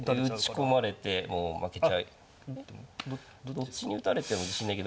どっちに打たれても自信ないけどまあ